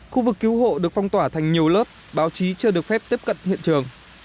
khu vực cứu hộ được phong tỏa thành nhiều lớp báo chí chưa được phép tiếp cận hiện trường